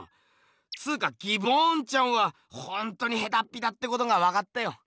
つかギボーンちゃんはほんとにヘタッピだってことがわかったよ。